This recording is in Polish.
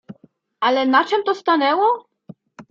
"Ale na czem to stanęło?"